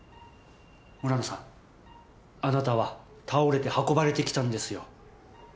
村野さんあなたは倒れて運ばれてきたんですよ。